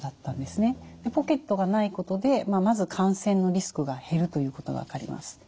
ポケットがないことでまず感染のリスクが減るということが分かります。